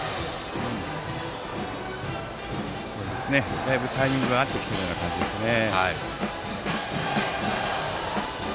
だいぶタイミングが合ってきている感じですね。